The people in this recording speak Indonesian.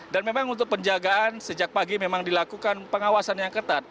dan memang untuk penjagaan sejak pagi memang dilakukan pengawasan yang ketat